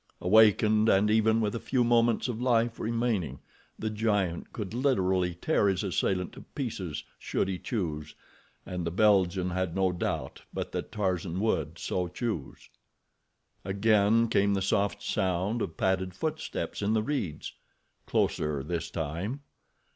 Awakened, and even with a few moments of life remaining, the giant could literally tear his assailant to pieces should he choose, and the Belgian had no doubt but that Tarzan would so choose. Again came the soft sound of padded footsteps in the reeds—closer this time.